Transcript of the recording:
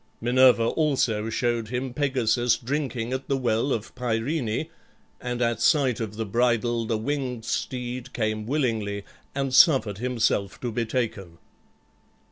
Minerva also showed him Pegasus drinking at the well of Pirene, and at sight of the bridle the winged steed came willingly and suffered himself to be taken.